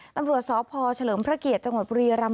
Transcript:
ตำรวจสพเฉลิมพระเกียรติจังหวัดบุรีรำ